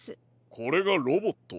これがロボット。